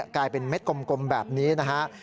กลายเป็นเม็ดกลมแบบนี้นะฮะ